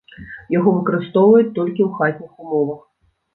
Яго выкарыстоўваюць толькі ў хатніх умовах.